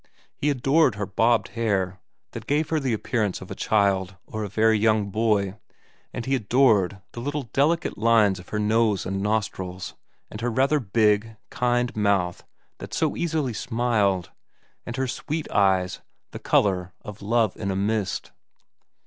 He adored her bobbed hair that gave her the appearance of a child or a very young boy, and he adored the little delicate 76 VERA vii lines of her nose and nostrils, and her rather big, kind mouth that so easily smiled, and her sweet eyes, the colour of Love in a Mist.